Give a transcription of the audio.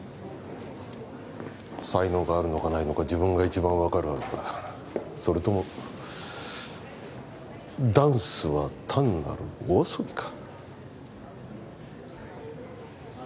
才能があるのかないのか自分が一番分かるはずだそれともダンスは単なるお遊びか？